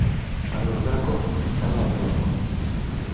Πανουργάκο, έλα δω!